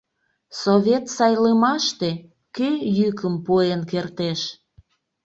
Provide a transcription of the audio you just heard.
Совет сайлымаште кӧ йӱкым пуэн кертеш?